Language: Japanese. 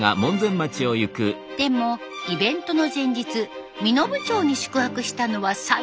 でもイベントの前日身延町に宿泊したのは３人に１人。